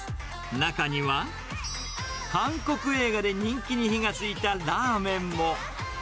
中には、韓国映画で人気に火がついたラーメンも。